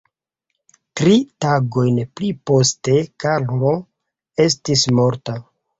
Tri tagojn pli poste Karlo estis morta.